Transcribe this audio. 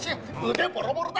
腕ボロボロだ！